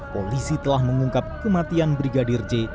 polisi telah mengungkap kematian brigadir j